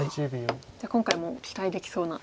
じゃあ今回も期待できそうな。